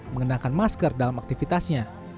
mengenakan masker dalam aktivitasnya